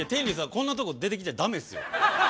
こんなとこ出てきちゃ駄目っすよ。